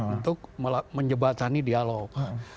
untuk menjebatani dialog